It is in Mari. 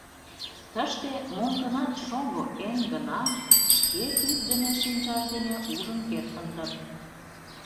Тыште мом-гынат шоҥго Энн гына шке тӱсдымӧ шинчаж дене ужын кертын дыр.